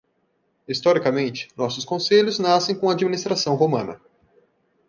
Historicamente, nossos conselhos nascem com a administração romana.